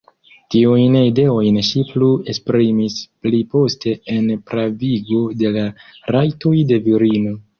Tiujn ideojn ŝi plu esprimis pliposte en "Pravigo de la Rajtoj de Virino".